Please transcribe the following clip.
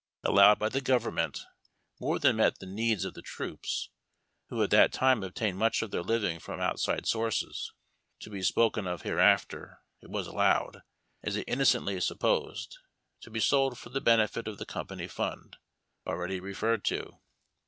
allowed by the government more tlian met the needs of tlie troops, who at that time obtained much of their livino from outside sources (to be spoken of hereafter), it was allowed, as they innocently supposed, to be sold for the benefit of the Company Fund, already referred to.